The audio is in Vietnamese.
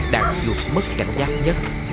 đặng chuột mất cảnh giác nhất